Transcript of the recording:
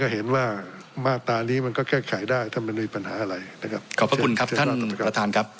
เห็นว่ามาตรานี้มันก็แก้ไขได้ท่านมีปัญหาอะไรนะครับ